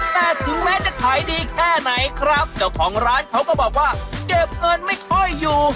แต่ถึงแม้จะขายดีแค่ไหนครับเจ้าของร้านเขาก็บอกว่าเก็บเงินไม่ค่อยอยู่